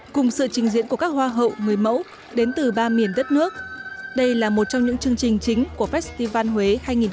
cùng sự trình diễn của các hoa hậu người mẫu đến từ ba miền đất nước đây là một trong những chương trình chính của festival huế hai nghìn một mươi tám